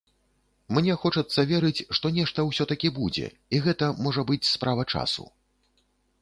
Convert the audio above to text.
Мне хочацца верыць, што нешта ўсё-такі будзе і гэта, можа быць, справа часу.